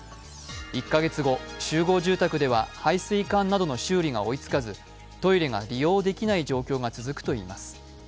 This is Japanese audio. １カ月後、集合住宅では配水管などの修理が追いつかず、トイレが利用できない状況が続くといいます。